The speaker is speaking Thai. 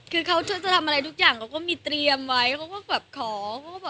คือเขาจะทำอะไรทุกอย่างเขาก็มีเตรียมไว้เขาก็แบบขอ